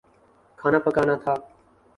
کھانا پکانا تھا